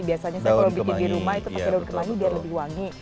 biasanya kalau di rumah itu pakai daun kemangi dia lebih wangi